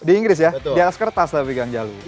di inggris ya di atas kertas tapi kang jalu